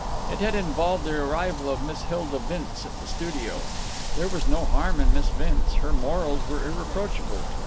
This had involved the arrival of Miss Hilda Vince at the studio. There was no harm in Miss Vince. Her morals were irreproachable.